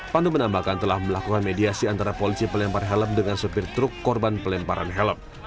pandu menambahkan telah melakukan mediasi antara polisi pelempar helm dengan sopir truk korban pelemparan helm